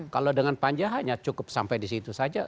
kalau dengan panjahannya cukup sampai di situ saja